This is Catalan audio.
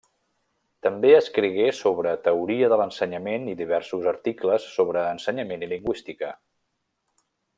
També escrigué sobre teoria de l'ensenyament i diversos articles sobre ensenyament i lingüística.